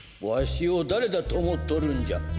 わしをだれだとおもっとるんじゃ。